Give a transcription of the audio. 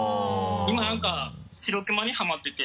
今何かしろくまにハマってて。